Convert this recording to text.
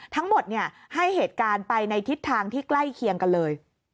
ทั้งหมดให้เหตุการณ์ไปในทิศทางที่ใกล้เคียงกันเลย